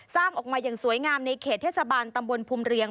สร้างออกมาอย่างสวยงามในเขตเทศบาลตำบลภูมิเรียง